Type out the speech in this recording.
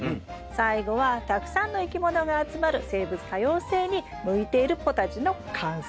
最後はたくさんの生き物が集まる生物多様性に向いているポタジェの完成。